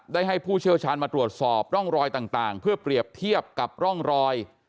ให้ผู้เชี่ยวชาญมาตรวจสอบร่องรอยต่างเพื่อเปรียบเทียบกับร่องรอย